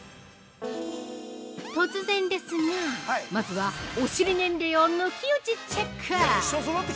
突然ですが、まずはお尻年齢を抜き打ちチェック。